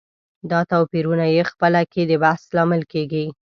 دا توپيرونه یې خپله کې د بحث لامل کېږي.